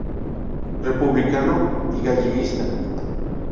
Republicano y galleguista.